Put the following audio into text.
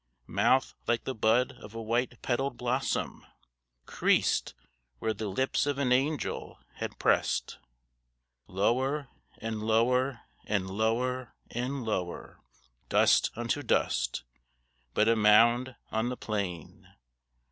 Mouth like the bud of a white petalled blossom, Creased where the lips of an angel had pressed. Lower, and lower, and lower, and lower, Dust unto dust but a mound on the plain.